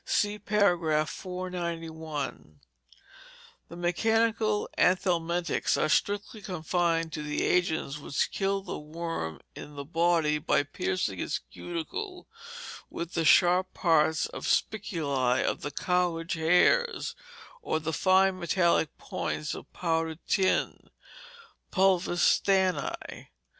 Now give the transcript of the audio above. (See par 491.) The mechanical anthelmintics are strictly confined to those agents which kill the worm in the body by piercing its cuticle with the sharp darts or spiculae of the cowhage hairs, or the fine metallic points of powdered tin (pulvis stanni).